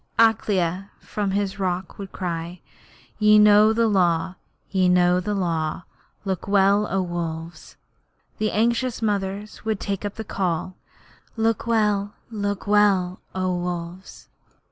Akela from his rock would cry: 'Ye know the Law ye know the Law. Look well, O Wolves!' and the anxious mothers would take up the call: 'Look look well, O Wolves!'